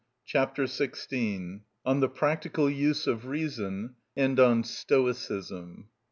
Chapter XVI.(26) On The Practical Use Of Reason And On Stoicism.